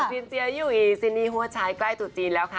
อินเจียอยู่อีซินีหัวชายใกล้จุดจีนแล้วค่ะ